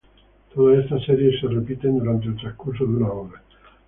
Todas estas series se repiten durante el transcurso de una obra.